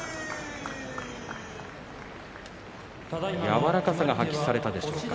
柔らかさが発揮されたでしょうか。